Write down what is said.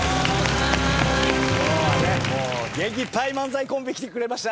今日はね元気いっぱい漫才コンビ来てくれました。